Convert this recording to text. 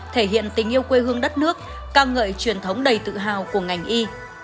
thể hiện tình yêu quê hương đất nước ca ngợi truyền thống đầy tự hào của ngành y